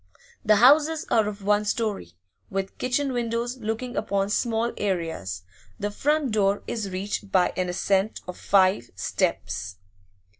The houses are of one storey, with kitchen windows looking upon small areas; the front door is reached by an ascent of five steps.